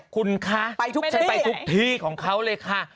คุณคะฉันไปทุกที่ของเขาเลยค่ะ